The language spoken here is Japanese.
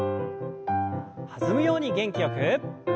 弾むように元気よく。